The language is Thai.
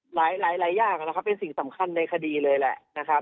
หลายอย่างนะครับเป็นสิ่งสำคัญในคดีเลยแหละนะครับ